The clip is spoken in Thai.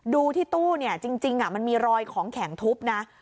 ดูที่ตู้เนี่ยจริงมันมีรอยของแข็งทุบนะ